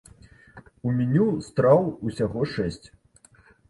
У меню страў усяго шэсць.